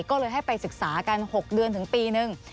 ก็เลยให้ไปศึกษากัน๖เดือนถึงปีนึง